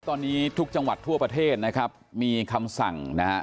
ตอนนี้ทุกจังหวัดทั่วประเทศนะครับมีคำสั่งนะฮะ